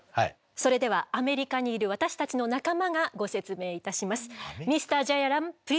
それではアメリカにいる私たちの仲間がご説明いたします。